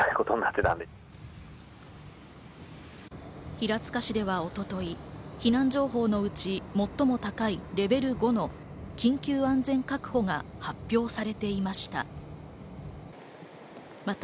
平塚市では一昨日、避難情報のうち最も高いレベル５の緊急安全確保が発表されていました。